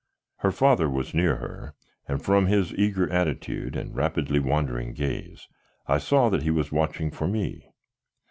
Her father was near her, and from his eager attitude and rapidly wandering gaze I saw that he was watching for me.